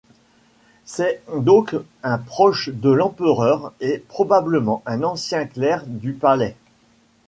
C’est donc un proche de l’empereur et probablement un ancien clerc du palais.